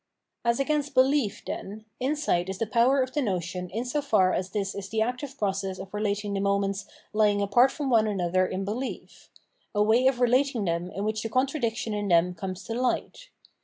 _ As against belief, then, insight is the power of the notion in so far as this is the active process of relating the moments lying apart from one another in belief ; a way of relating them in which the contradiction in them comes to light.